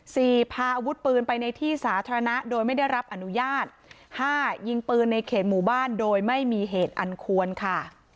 พาอาวุธปืนไปในที่สาธารณะโดยไม่ได้รับอนุญาตห้ายิงปืนในเขตหมู่บ้านโดยไม่มีเหตุอันควรค่ะ